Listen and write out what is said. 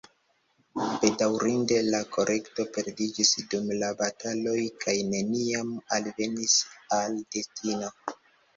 Bedaŭrinde, la kolekto perdiĝis dum la bataloj kaj neniam alvenis al destino.